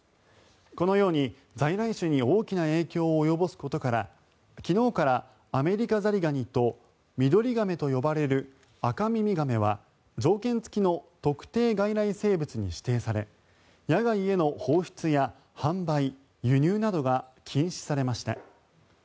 このように在来種に大きな影響を及ぼすことから昨日からアメリカザリガニとミドリガメと呼ばれるアカミミガメは条件付きの特定外来生物に指定され野外への放出や販売・輸入などが禁止されました。